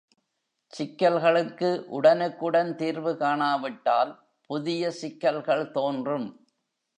சிக்கல்களுக்கு உடனுக்குடன் தீர்வு கானா விட்டால் புதிய சிக்கல்கள் தோன்றும்.